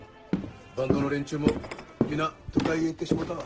バンドの連中も皆都会へ行ってしもうたわ。